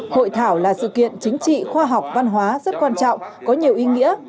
hội thảo là sự kiện chính trị khoa học văn hóa rất quan trọng có nhiều ý nghĩa